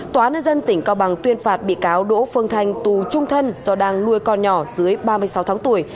tòa nhân dân tỉnh cao bằng tuyên phạt bị cáo đỗ phương thanh tù trung thân do đang nuôi con nhỏ dưới ba mươi sáu tháng tuổi